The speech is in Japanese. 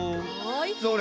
それ！